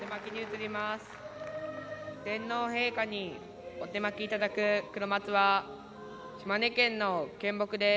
天皇陛下にお手播きいただくクロマツは、島根県の県木です。